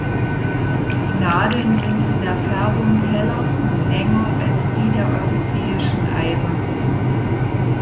Die Nadeln sind in der Färbung heller und länger als die der Europäischen Eibe.